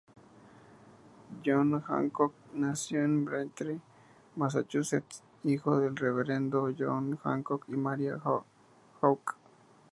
John Hancock nació en Braintree, Massachusetts, hijo del reverendo John Hancock y María Hawke.